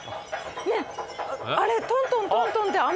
ねえあれトントントントンって飴。